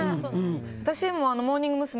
私、モーニング娘。